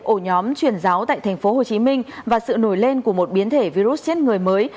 ổ nhóm truyền giáo tại tp hcm và sự nổi lên của một biến thể virus trên người mới